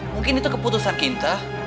mungkin itu keputusan kinta